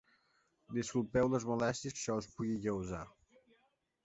Disculpeu les molèsties que això us pugui causar.